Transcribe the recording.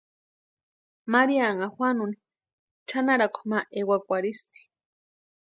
Maríanha Juanuni chʼanarakwa ma ewakwarhisti.